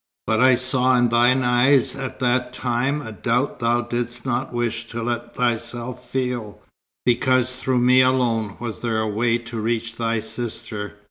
But I saw in thine eyes at that time a doubt thou didst not wish to let thyself feel, because through me alone was there a way to reach thy sister.